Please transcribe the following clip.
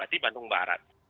di bandung barat